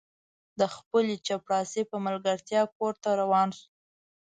د خپل چپړاسي په ملګرتیا کور ته روان شو.